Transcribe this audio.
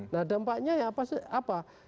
nah dampaknya apa sih